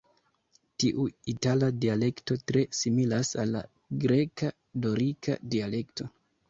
Tiu itala dialekto tre similas al la greka-dorika dialekto.